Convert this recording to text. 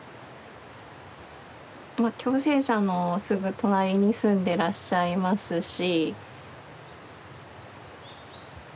共生舎のすぐ隣に住んでらっしゃいますし。